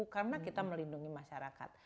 karena kita melindungi masyarakat